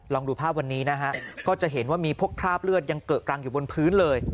ลองดูภาพวันนี้นะฮะก็จะเห็นว่ามีพวกคราบเลือดยังเกอะกรังอยู่บนพื้นเลย